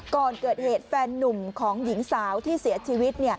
ก่อนเกิดเหตุแฟนนุ่มของหญิงสาวที่เสียชีวิต